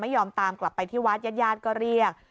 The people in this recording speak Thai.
ยอมตามกลับไปที่วัดญาติญาติก็เรียก